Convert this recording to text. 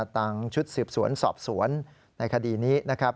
ชุดสืบสวนสอบสวนในคดีนี้นะครับ